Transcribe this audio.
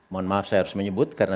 mohon maaf saya harus menyebut karena